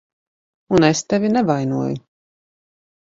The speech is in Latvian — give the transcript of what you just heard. Un es tevi nevainoju.